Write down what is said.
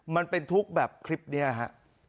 มันเป็นทุกข์แบบคลิปนี้ฮะ